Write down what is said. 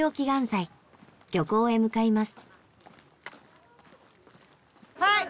漁港へ向かいます。